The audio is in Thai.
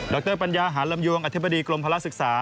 รปัญญาหารลำยวงอธิบดีกรมภาระศึกษา